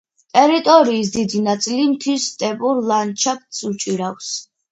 ტერიტორიის დიდი ნაწილი მთის სტეპურ ლანდშაფტს უჭირავს.